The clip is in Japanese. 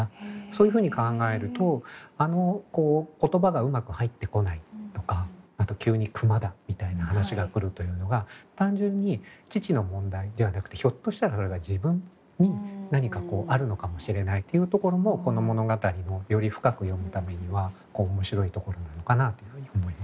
そういうふうに考えるとあの言葉がうまく入ってこないとかあとは急に「熊だ」みたいな話が来るというのが単純に父の問題ではなくてひょっとしたらそれが自分に何かこうあるのかもしれないというところもこの物語をより深く読むためには面白いところなのかなっていうふうに思いますね。